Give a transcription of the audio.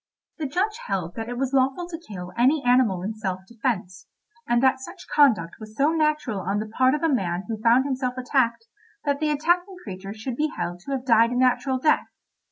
The judge held that it was lawful to kill any animal in self defence, and that such conduct was so natural on the part of a man who found himself attacked, that the attacking creature should be held to have died a natural death.